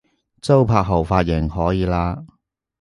周柏豪髮型可以喇